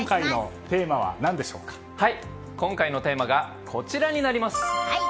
今回のテーマがこちらになります。